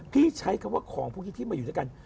พี่ใช้คำว่าของพวกนี้ที่มาอยู่ด้วยกัน